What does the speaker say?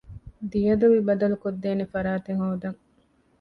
ދިޔަދޮވި ބަދަލުުކޮށްދޭނެ ފަރާތެއް ހޯދަން